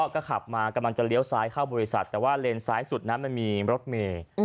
ก็ขับมากำลังจะเลี้ยวซ้ายเข้าบริษัทแต่ว่าเลนซ้ายสุดนั้นมันมีรถเมย์